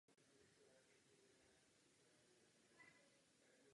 Tyto poměry se mění v případě par a jejich kondenzace.